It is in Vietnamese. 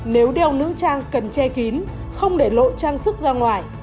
nếu đeo nữ trang cần che kín không để lộ trang sức ra ngoài